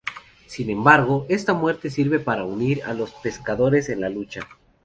Sin embargo, esta muerte sirve para unir a los pescadores en la lucha.